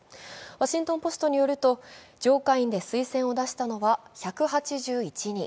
「ワシントン・ポスト」によると上下院で推薦を出したのは１８１人。